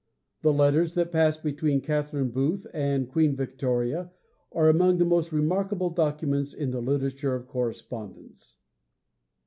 The letters that passed between Catherine Booth and Queen Victoria are among the most remarkable documents in the literature of correspondence.